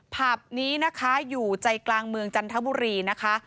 ผับนี้นะคะอยู่ใจกลางเมืองจันทบุรีนะคะ